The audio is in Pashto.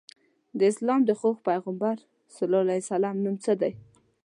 د اسلام د خوږ پیغمبر ص نوم څه دی؟